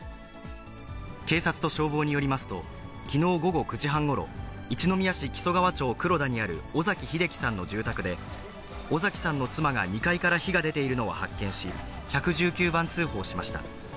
警察と消防によりますと、きのう午後９時半ごろ、一宮市木曽川町くろだにある尾碕秀樹さんの住宅で、尾碕さんの妻が２階から火が出ているのを発見し、１１９番通報しました。